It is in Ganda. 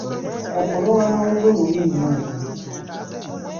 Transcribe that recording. Kookolo w'amawuggwe mubi nnyo.